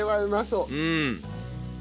うん！